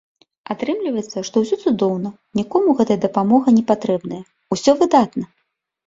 Атрымліваецца, што ўсё цудоўна, нікому гэтая дапамога не патрэбная, усё выдатна!